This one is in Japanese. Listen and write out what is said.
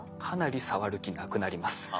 かなり触る気なくなります。